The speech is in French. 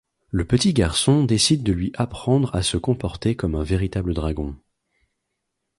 Le petit garçon décide de lui apprendre à se comporter comme un véritable dragon...